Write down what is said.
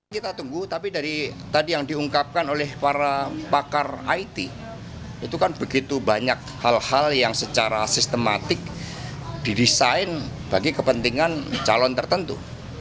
kita tunggu tapi dari tadi yang diungkapkan oleh para pakar it itu kan begitu banyak hal hal yang secara sistematik didesain bagi kepentingan calon tertentu